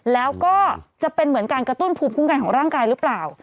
แล้วก็จะเป็นเหมือนการกระตุ้นภูมิคุ้มกันของร่างกายหรือเปล่า